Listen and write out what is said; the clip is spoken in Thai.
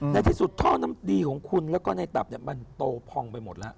ในที่สุดท่อน้ำดีของคุณแล้วก็ในตับมันโตพองไปหมดแล้ว